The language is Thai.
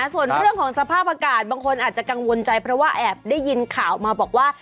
ส่วนเรื่องของสภาพอากาศบางคนอาจจะกังวลใจเพราะว่าแอบได้ยินข่าวมาบอกว่า